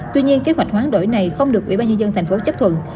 tuy nhiên kế hoạch hoán đổi này không được ủy ban nhân dân tp chấp thuận